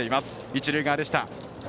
一塁側でした。